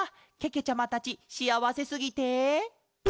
けけちゃまたちしあわせすぎて。